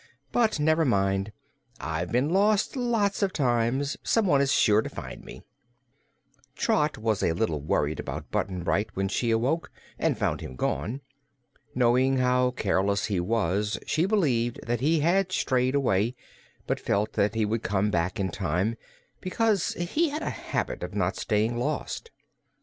"But never mind; I've been lost lots of times. Someone is sure to find me." Trot was a little worried about Button Bright when she awoke and found him gone. Knowing how careless he was, she believed that he had strayed away, but felt that he would come back in time, because he had a habit of not staying lost.